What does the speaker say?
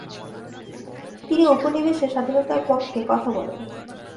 তিনি উপনিবেশের স্বাধীনতার পক্ষে কথা বলেন।